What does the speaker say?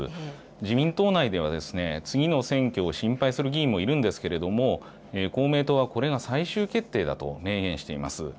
自民党内では、次の選挙を心配する議員もいるんですけれども、公明党はこれが最終決定だと明言しています。